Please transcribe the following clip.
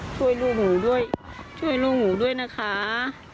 ช่วยลูกหนูด้วยช่วยลูกหนูด้วยนะคะ